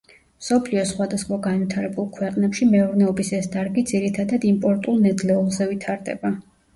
მსოფლიოს სხვადასხვა განვითარებულ ქვეყნებში მეურნეობის ეს დარგი ძირითადად იმპორტულ ნედლეულზე ვითარდება.